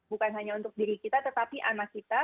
bukan hanya untuk diri kita tetapi anak kita